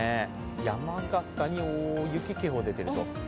山形に大雪警報が出ていると。